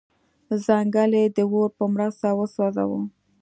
ځنګل یې د اور په مرسته وسوځاوه.